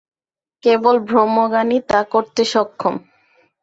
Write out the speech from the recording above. কেবল ব্রহ্মজ্ঞানই তা করতে সক্ষম।